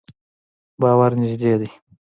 بازار نږدې دی؟